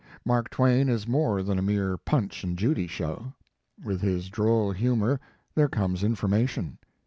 Mark Twain is more than a mere Punch and Judy show. With his droll humor there comes information.